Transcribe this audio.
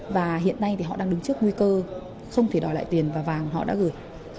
và hiện nay thì họ đang đứng trước nguy cơ không thể đòi lại tiền và vàng họ đã gửi